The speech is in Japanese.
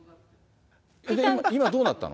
今、どうなったの？